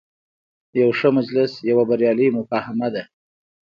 یو ښه مجلس یوه بریالۍ مفاهمه ده.